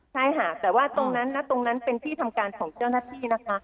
ใช่ค่ะแต่ว่าตรงนั้นนะตรงนั้นเป็นที่ทำการของเจ้าหน้าที่นะคะ